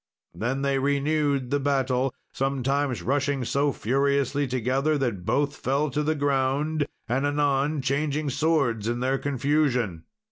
Then they renewed the battle sometimes rushing so furiously together, that both fell to the ground, and anon changing swords in their confusion.